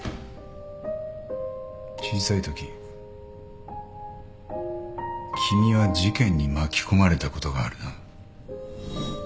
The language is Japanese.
小さいとき君は事件に巻き込まれたことがあるな。